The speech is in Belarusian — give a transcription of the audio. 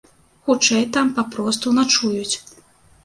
Хутчэй, там папросту начуюць.